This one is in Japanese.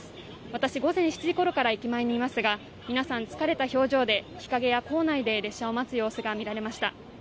私、午前７時ごろから駅前にいますが、皆さん疲れた表情で日陰や構内で列車を待つ様子が見られました。